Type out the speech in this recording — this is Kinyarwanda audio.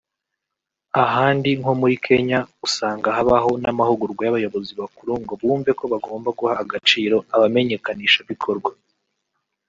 Ahandi nko muri Kenya usanga habaho n’amahugurwa y’abayobozi bakuru ngo bumve ko bagomba guha agaciro abamenyekanishabikorwa